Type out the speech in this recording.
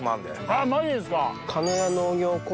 あマジですか！